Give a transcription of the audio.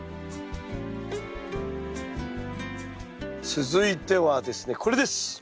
続いてはですねこれです。